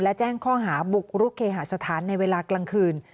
และแจ้งข้อหาบุกรุกเคหาสถานในเวลากลางคืน